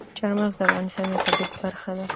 چار مغز د افغانستان د طبیعت برخه ده.